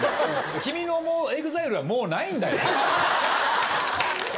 君の思うＥＸＩＬＥは、もうないんだよ。